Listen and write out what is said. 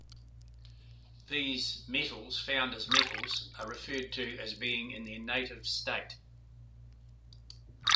These "metals found as metals" are referred to as being in their "native state".